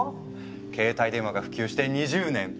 携帯電話が普及して２０年。